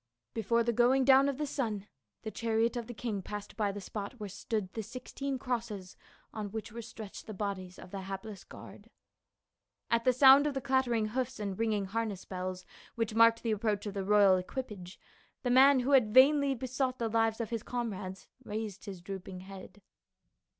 Before the going down of the sun the chariot of the king passed by the spot where stood the sixteen crosses on which were stretched the bodies of the hapless guard. At the sound of the clattering hoofs and ringing harness bells which marked the approach of the royal equipage, the man who had vainly besought the lives of his comrades raised his drooping head.